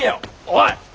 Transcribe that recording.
おい！